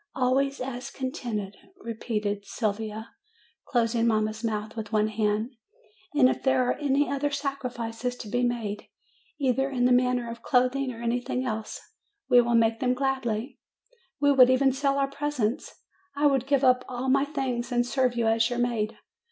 "Always as contented," repeated Sylvia, closing mamma's mouth with one hand. "And if there are any other sacrifices to be made, either in the matter of THE FIRE 249 clothing or anything else, we will make them gladly. We would even sell our presents. I would give up all my things, and serve you as your maid.